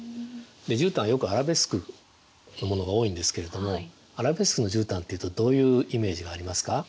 じゅうたんはよくアラベスクのものが多いんですけれどもアラベスクのじゅうたんというとどういうイメージがありますか？